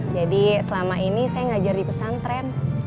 jadi selama ini saya ngajar di pesantren